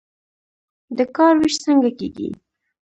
د کار ویش څنګه کیږي؟